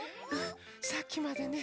さっきまでね